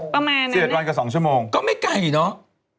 ประมาณนั้น๑๑วันก็๒ชั่วโมงก็ไม่ไกลเนอะ